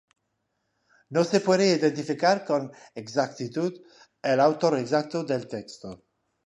No se puede identificar con exactitud el autor exacto del texto.